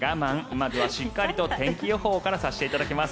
まずはしっかりと天気予報からさせていただきます。